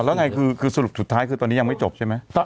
แล้วไงคือสรุปสุดท้ายคือตอนนี้ยังไม่จบใช่ไหม